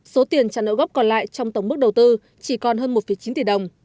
số tiền trả nợ gốc còn lại trong tổng mức đầu tư chỉ còn hơn một chín tỷ đồng